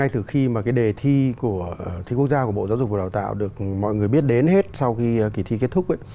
từ khi đề thi của thí quốc gia của bộ giáo dục và đào tạo được mọi người biết đến hết sau khi kỳ thi kết thúc